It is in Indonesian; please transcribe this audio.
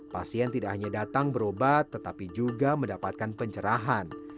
pasien tidak hanya datang berobat tetapi juga mendapatkan pencerahan